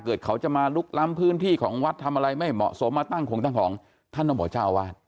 เขาจะมาลุกล้ำพื้นที่ของวัดทำอะไรไม่เหมาะสมมาตั้งของตั้งของท่านต้องบอกเจ้าอาวาส